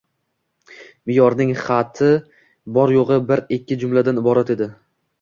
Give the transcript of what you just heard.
Mayorning xati bor-yug‘i bir ikki jumladan iborat edi.